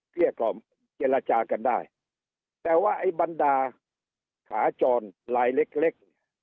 เรียกก่อนเจรจากันได้แต่ว่าไอ้บรรดาขาจรลายเล็ก